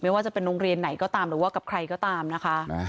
ว่าจะเป็นโรงเรียนไหนก็ตามหรือว่ากับใครก็ตามนะคะ